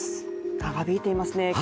長引いていますね。